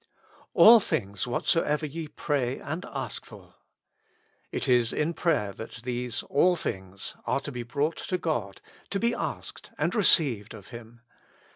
"All things whatsoever ye pray ajid ask for.'''' It is in prayer that these " all things " are to be brought to God, to be asked and received of Him.